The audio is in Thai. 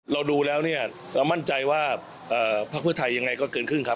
เราดูแล้วเนี่ยเรามั่นใจว่าพักเพื่อไทยยังไงก็เกินครึ่งครับ